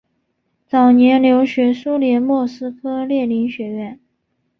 早年留学苏联莫斯科列宁学院。